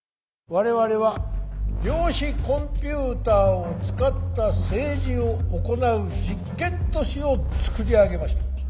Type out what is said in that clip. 我々は量子コンピューターを使った政治を行う実験都市を造り上げました。